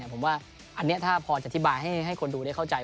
ผมว่าอันนี้ถ้าพอจะอธิบายให้คนดูได้เข้าใจ